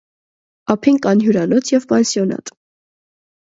Ափին կան հյուրանոց և պանսիոնատ։